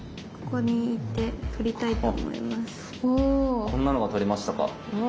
こんなのが取れましたか。